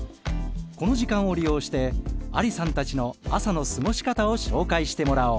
この時間を利用してアリさんたちの朝の過ごし方を紹介してもらおう。